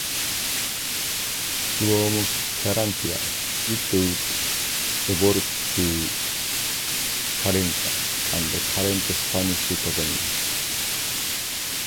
From "Carrantia" it would evolve to Carranza, the current Spanish toponym.